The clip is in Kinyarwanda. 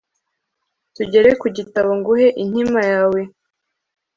tugere ku gitabo nguhe inkima yawe